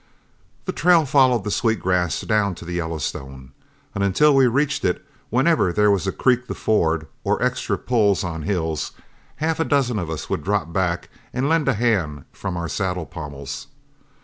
The trail followed the Sweet Grass down to the Yellowstone; and until we reached it, whenever there were creeks to ford or extra pulls on hills, half a dozen of us would drop back and lend a hand from our saddle pommels.